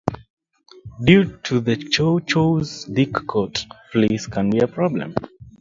Due to the Chow Chow's thick coat, fleas can be a problem.